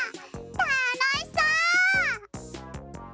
たのしそう！